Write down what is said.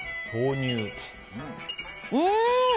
うん！